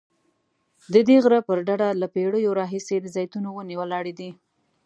ددې غره پر ډډه له پیړیو راهیسې د زیتونو ونې ولاړې دي.